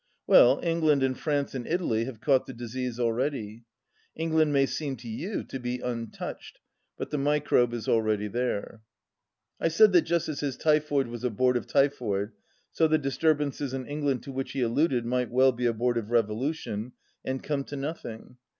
Well, England and France and Italy have caught the disease al ready. England may seem to you to be un touched, but the microbe is already there." I said that just as his typhoid was abortive ty phoid, so the disturbances in England to which he alluded might well be abortive revolution, and come to nothing.